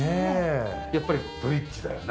やっぱりブリッジだよね。